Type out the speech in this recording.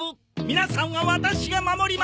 皆さんはワタシが守ります！